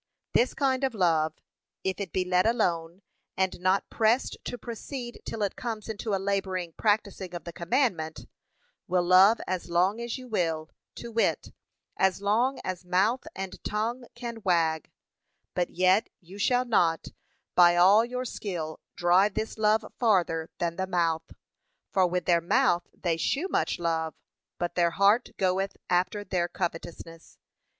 This kind of love, if it be let alone, and not pressed to proceed till it comes into a labouring practising of the commandment, will love as long as you will, to wit, as long as mouth and tongue can wag; but yet you shall not, by all your skill drive this love farther than the mouth; 'for with their mouth they shew much love, but their heart goeth after their covetousness.'